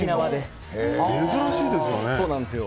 珍しいですね。